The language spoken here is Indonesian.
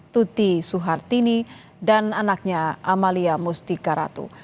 tuti suhartini dan anaknya amalia mustikaratu